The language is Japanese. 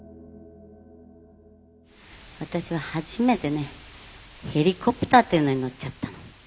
「私は初めてねヘリコプターっていうのに乗っちゃったの。